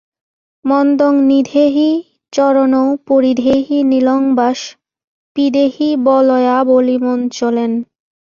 মন্দং নিধেহি চরণৌ পরিধেহি নীলং bus পিধেহি বলয়াবলিমঞ্চলেন।